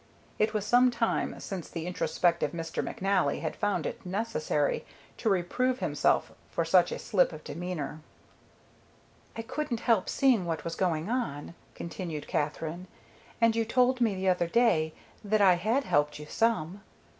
It was some time since the introspective Mr. McNally had found it necessary to reprove himself for such a slip of demeanor. "I couldn't help seeing what was going on," continued Katherine. "And you told me the other day that I had helped you some."